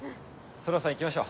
空さん行きましょう。